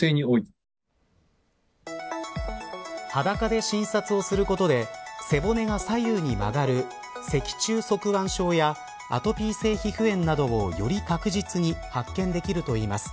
裸で診察をすることで背骨が左右に曲がる脊柱側わん症やアトピー性皮膚炎などをより確実に発見できるといいます。